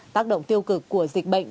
tác động tiêu cực của dịch bệnh